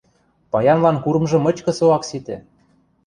Паянлан курымжы мычкы со ак ситӹ!